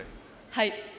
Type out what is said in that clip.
はい。